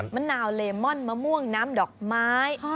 มะนาวเลมอนมะม่วงน้ำดอกไม้